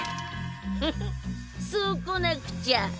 フフッそうこなくちゃ。